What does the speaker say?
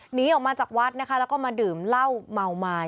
หนีออกมาจากวัดนะคะแล้วก็มาดื่มเหล้าเมาไม้